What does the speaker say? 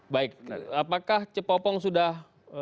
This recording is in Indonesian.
baik apakah cepopong sudah